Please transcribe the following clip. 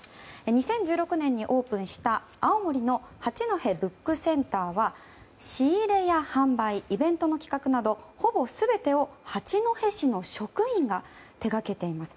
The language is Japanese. ２０１６年にオープンした青森の八戸ブックセンターは仕入れや販売イベントの企画などほぼ全てを八戸市の職員が手掛けています。